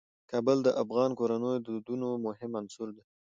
کابل د افغان کورنیو د دودونو مهم عنصر دی.